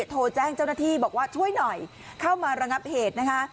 โทรแจ้งเจ้าหน้าที่บอกว่าช่วยหน่อยเข้ามาระงับเหตุนะคะ